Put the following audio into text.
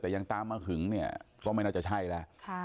แต่ยังตามมาหึงเนี่ยก็ไม่น่าจะใช่แล้ว